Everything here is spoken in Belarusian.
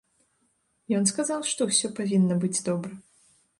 Ён сказаў, што ўсё павінна быць добра.